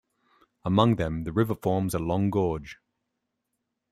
Among them, the river forms a long gorge.